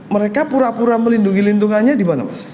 mereka pura pura melindungi lingkungannya di mana mas